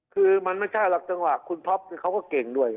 คือมันไม่ใช่หลักตังหลากคุณพร้อมเขาเขาเก่งด้วย